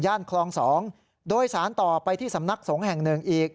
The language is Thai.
ย่านคลอง๒โดยสารต่อไปที่สำนักสงฆ์แห่ง๑อีก